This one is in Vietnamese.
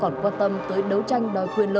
không còn quan tâm tới đấu tranh đòi khuyên lợi